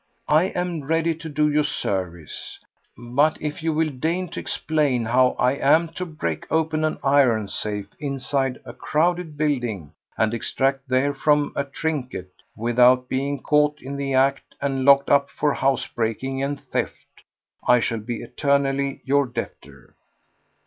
I am ready to do you service. But if you will deign to explain how I am to break open an iron safe inside a crowded building and extract therefrom a trinket, without being caught in the act and locked up for house breaking and theft, I shall be eternally your debtor."